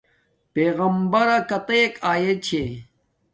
پݵغمبرݳ کتݵَک آئݺ چھݺ؟